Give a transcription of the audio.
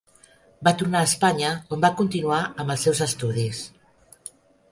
Va tornar a Espanya, on va continuar amb els seus estudis.